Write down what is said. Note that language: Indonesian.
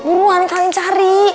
buruan kalian cari